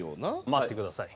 待ってください。